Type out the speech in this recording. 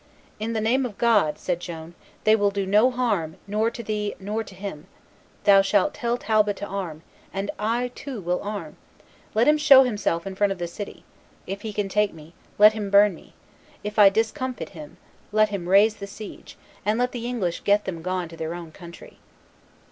"In the name of God," said Joan, "they will do no harm nor to thee nor to him; thou shalt tell Talbot to arm, and I too will arm; let him show himself in front of the city; if he can take me, let him burn me; if I discomfit him, let him raise the siege, and let the English get them gone to their own country."